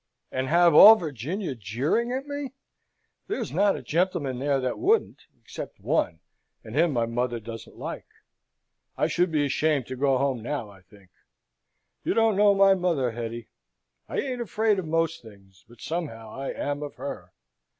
"And have all Virginia jeering at me! There's not a gentleman there that wouldn't, except one, and him my mother doesn't like. I should be ashamed to go home now, I think. You don't know my mother, Hetty. I ain't afraid of most things; but, somehow, I am of her.